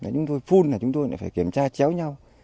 chúng tôi phun là chúng tôi lại phải kiểm tra chéo nhau